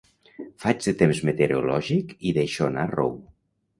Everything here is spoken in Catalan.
Faig de temps meteorològic i deixo anar rou.